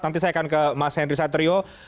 nanti saya akan ke mas henry satrio